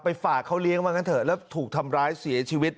ฝากเขาเลี้ยงมากันเถอะแล้วถูกทำร้ายเสียชีวิต